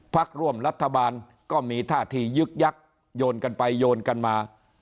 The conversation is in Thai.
พักร่วมรัฐบาลก็มีท่าที่ยึกยักษโยนกันไปโยนกันมา